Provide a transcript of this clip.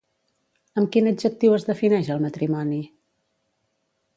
Amb quin adjectiu es defineix el matrimoni?